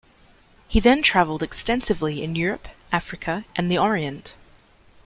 He then traveled extensively in Europe, Africa and the orient.